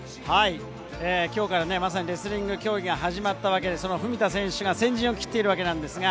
今日からレスリング競技が始まったわけで文田選手が先陣を切っているわけです。